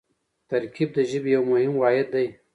ترکیب د ژبې یو مهم واحد دئ.